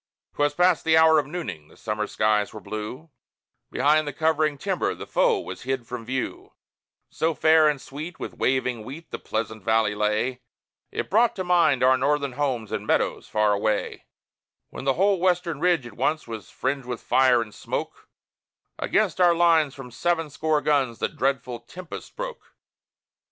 'Twas past the hour of nooning; the Summer skies were blue; Behind the covering timber the foe was hid from view; So fair and sweet with waving wheat the pleasant valley lay, It brought to mind our Northern homes and meadows far away; When the whole western ridge at once was fringed with fire and smoke; Against our lines from sevenscore guns the dreadful tempest broke!